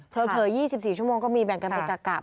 เผลอ๒๔ชั่วโมงก็มีแบ่งกันไปจากกะ